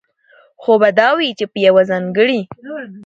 خو به دا وي، چې په يوه ځانګړي